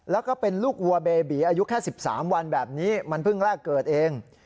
แล้วก็เป็นลูกวัวเบบีอายุแค่๑๓วันแบบนี้มันเพิ่งแรกเกิดเอง